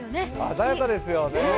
鮮やかですよね。